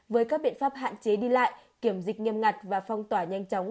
với các biện pháp hạn chế đi lại kiểm dịch nghiêm ngặt và phong tỏa nhanh chóng